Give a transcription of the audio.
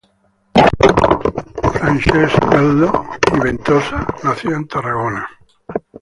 Francesc Nel·lo i Ventosa nació en Tarragona.